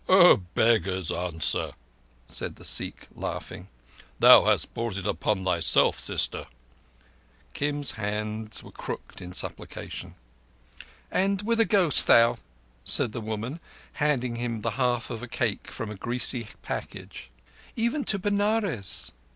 "A beggar's answer," said the Sikh, laughing. "Thou hast brought it on thyself, sister!" Kim's hands were crooked in supplication. "And whither goest thou?" said the woman, handing him the half of a cake from a greasy package. "Even to Benares."